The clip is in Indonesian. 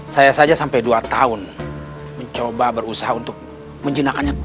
saya saja sampai dua tahun mencoba berusaha untuk menjinakannya